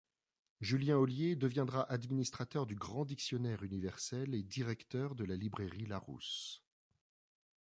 JuIien Hollier deviendra administrateur du grand dictionnaire universel et directeur de la librairie Larousse.